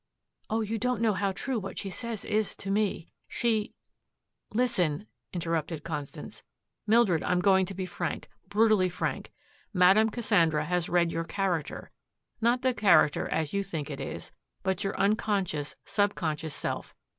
"Oh, you don't know how true what she says is to me. She " "Listen," interrupted Constance. "Mildred, I'm going to be frank, brutally frank. Madame Cassandra has read your character, not the character as you think it is, but your unconscious, subconscious self.